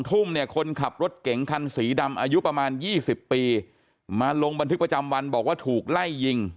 ทุ่มเนี่ยคนขับรถเก๋งคันสีดำอายุประมาณ๒๐ปีมาลงบันทึกประจำวันบอกว่าถูกไล่ยิง